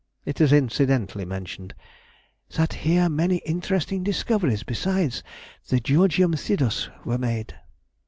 It is incidentally mentioned, "that here many interesting discoveries besides the Georgium Sidus were made."